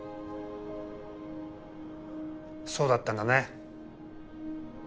そうだったんだね。